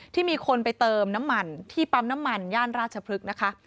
ที่มีคนไปเติมน้ำมันที่ปั๊มน้ำมันย่านราชพฤกษ์นะคะ